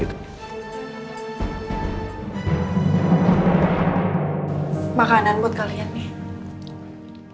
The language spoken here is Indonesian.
makanan buat kalian nih